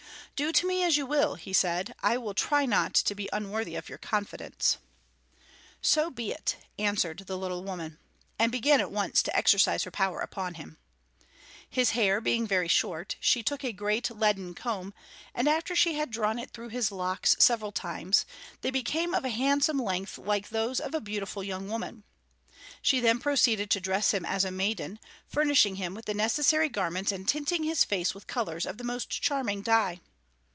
"Do to me as you will," he said, "I will try not to be unworthy of your confidence." "So be it," answered the little old woman, and began at once to exercise her power upon him. His hair being very short, she took a great leaden comb, and after she had drawn it through his locks several times, they became of a handsome length like those of a beautiful young woman. She then proceeded to dress him as a maiden, furnishing him with the necessary garments and tinting his face with colors of the most charming dye.